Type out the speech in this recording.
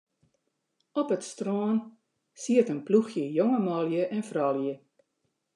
Op it strân siet in ploechje jonge manlju en froulju.